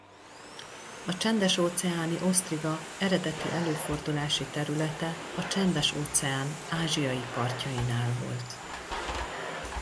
A csendes-óceáni osztriga eredeti előfordulási területe a Csendes-óceán ázsiai partjainál volt.